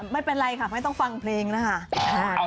ไม่เป็นไรค่ะไม่ต้องฟังเพลงนะคะ